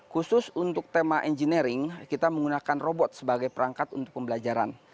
khusus untuk tema engineering kita menggunakan robot sebagai perangkat untuk pembelajaran